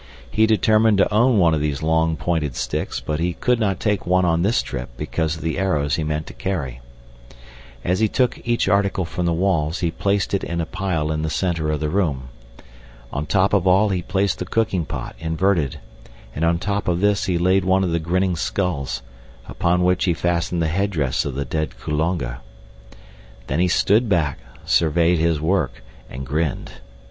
He determined to own one of these long, pointed sticks, but he could not take one on this trip because of the arrows he meant to carry. As he took each article from the walls, he placed it in a pile in the center of the room. On top of all he placed the cooking pot, inverted, and on top of this he laid one of the grinning skulls, upon which he fastened the headdress of the dead Kulonga. Then he stood back, surveyed his work, and grinned.